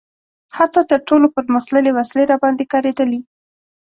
حتی تر ټولو پرمختللې وسلې راباندې کارېدلي.